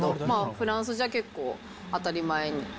フランスじゃ結構当たり前に。